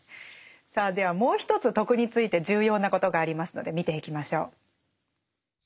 さあではもう一つ「徳」について重要なことがありますので見ていきましょう。